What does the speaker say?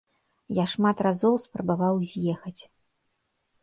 Я шмат разоў спрабаваў з'ехаць.